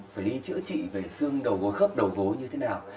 phải đi chữa trị về xương đầu gối khớp đầu gối như thế nào